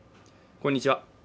こんにちは